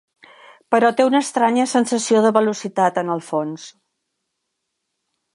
Però té una estranya sensació de velocitat en el fons.